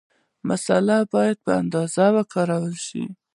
مساله باید په اندازه وکارول شي.